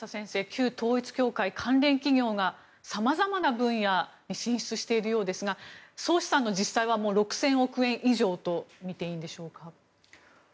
旧統一教会関連企業が様々な分野に進出しているようですが総資産の実際はもう６０００億円以上と見ていいんでしょうか。